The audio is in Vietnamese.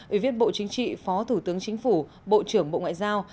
ủy viên bộ chính trị phó thủ tướng chính phủ bộ trưởng bộ ngoại giao